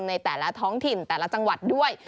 ในแต่ละท้องถิ่นแต่ละจังหวัดด้วย